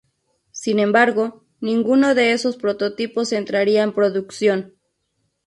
Sin embargo, ninguno de esos prototipos entraría en producción.